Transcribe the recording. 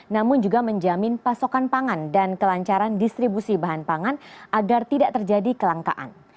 namun juga menjamin pasokan pangan dan kelancaran distribusi bahan pangan agar tidak terjadi kelangkaan